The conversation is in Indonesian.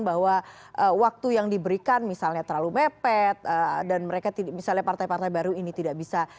bahwa waktu yang diberikan misalnya terlalu mepet dan mereka misalnya partai partai baru ini tidak bisa